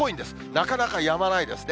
なかなかやまないですね。